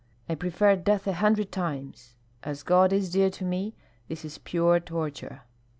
I prefer death a hundred times. As God is dear to me, this is pure torture!"